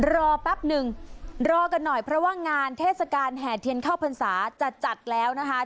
แป๊บนึงรอกันหน่อยเพราะว่างานเทศกาลแห่เทียนเข้าพรรษาจะจัดแล้วนะคะ